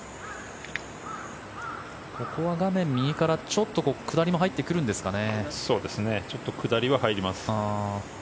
ここは画面右からちょっと下りも入ってくるんですかね。